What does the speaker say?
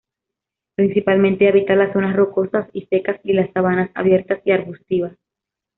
Principalmente habita las zonas rocosas y secas y las sabanas abiertas y arbustivas.